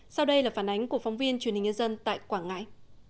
sau đây là phản ánh của phóng viên truyền hình nhân dân tại quảng ngãi